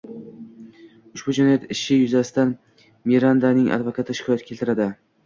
Ushbu jinoyat ishi yuzasidan Mirandaning advokati shikoyat keltiradi